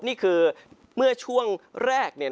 นี่คือเมื่อช่วงแรก